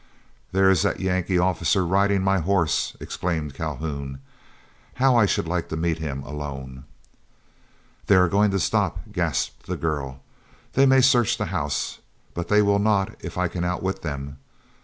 "There is that Yankee officer riding my horse!" exclaimed Calhoun. "How I should like to meet him alone." "They are going to stop," gasped the girl. "They may search the house, but they will not if I can outwit them.